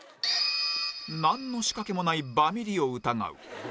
なんの仕掛けもないバミリを疑う